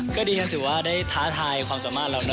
ก็ดิฉันสิว่าได้ท้าทายความสามารถเรานะครับ